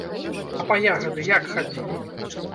А па ягады як хадзілі?